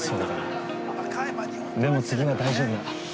でも、次は大丈夫だ。